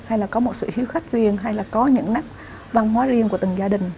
hay là có một sự hiếu khách riêng hay là có những nét văn hóa riêng của từng gia đình